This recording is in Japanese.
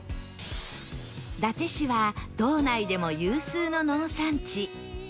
伊達市は道内でも有数の農産地